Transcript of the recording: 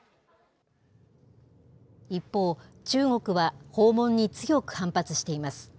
一方、中国は訪問に強く反発しています。